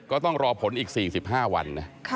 ก็ต้องรอผลอีก๔๕วันนะ